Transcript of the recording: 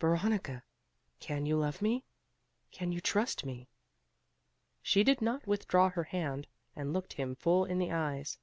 "Veronica, can you love me? can you trust me?" She did not withdraw her hand, and looked him full in the eyes.